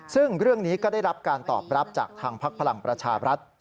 ซึ่งเรื่องนี้ก็ได้รับการตอบรับจากทางพักพลังประชาบรัฐ